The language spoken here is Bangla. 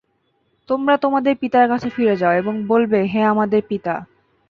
তোমরা তোমাদের পিতার কাছে ফিরে যাও এবং বলবে, হে আমাদের পিতা!